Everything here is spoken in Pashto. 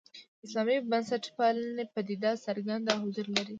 اسلامي بنسټپالنې پدیده څرګند حضور لري.